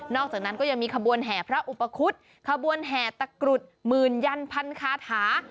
อกจากนั้นก็ยังมีขบวนแห่พระอุปคุฎขบวนแห่ตะกรุดหมื่นยันพันคาถา